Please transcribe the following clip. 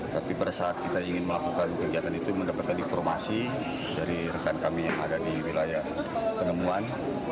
tapi pada saat kita ingin melakukan kegiatan itu mendapatkan informasi dari rekan kami yang ada di wilayah penemuan